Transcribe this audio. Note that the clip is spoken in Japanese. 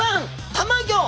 たまギョ！